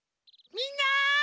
みんな！